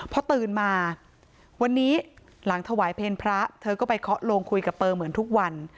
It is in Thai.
พอตื่นมาวันนี้หลังถวายเพลงพระเธอก็ไปเคาะโลงคุยกับเปอร์เหมือนทุกวัน